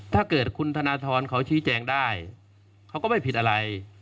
ถ้าเกิดคุณธนทรเขาชี้แจงได้เขาก็ไม่ผิดอะไร